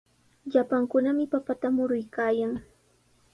Llapankunami papata muruykaayan.